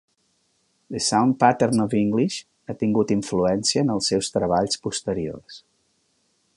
"The Sound Pattern of English" ha tingut influència en els seus treballs posteriors.